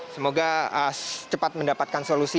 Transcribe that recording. semoga cepat mendapatkan solusi